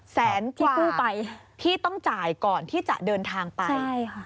แสนกว่าที่ต้องจ่ายก่อนที่จะเดินทางไป